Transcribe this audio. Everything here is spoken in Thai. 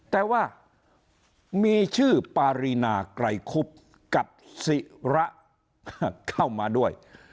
แต่ว่ามีชื่อปารีนาไกรคุบกับศิระเข้ามาด้วย